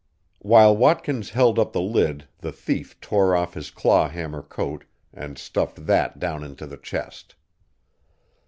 While Watkins held up the lid the thief tore off his claw hammer coat and stuffed that down into the chest.